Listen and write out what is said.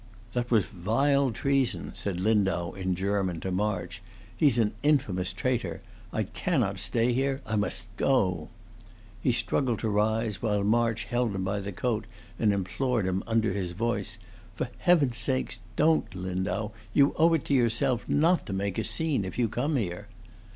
"That was vile treason," said Lindau in German to March. "He's an infamous traitor! I cannot stay here. I must go." He struggled to rise, while March held him by the coat, and implored him under his voice: "For Heaven's sake, don't, Lindau! You owe it to yourself not to make a scene, if you come here."